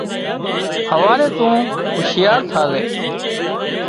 هواري تُون هُوشيار ٿازي